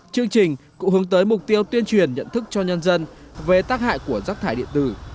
chương trình cũng hướng tới mục tiêu tuyên truyền nhận thức cho nhân dân về tác hại của rác thải điện tử